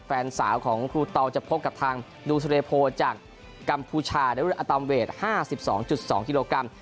แฟนสาวของครูตองจะพบกับทางดูซาเลโพจากกัมพูชาในรุ่นอตัมเวท๕๒๒กิโลกรัม